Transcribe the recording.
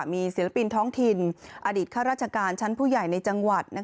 มีศิลปินท้องถิ่นอดีตข้าราชการชั้นผู้ใหญ่ในจังหวัด